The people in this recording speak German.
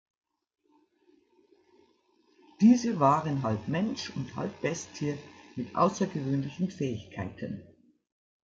Diese waren halb Mensch und halb Bestie mit außergewöhnlichen Fähigkeiten.